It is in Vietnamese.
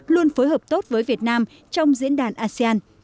luôn phối hợp tốt với việt nam trong diễn đàn asean